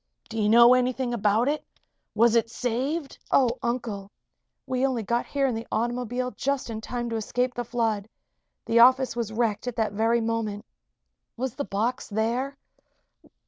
"Do you know anything about it? Was it saved?" "Oh, Uncle! We only got here in the automobile just in time to escape the flood. The office was wrecked at that very moment. Was the box there?"